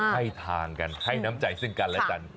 ให้ทางกันให้น้ำใจซึ่งกันและกัน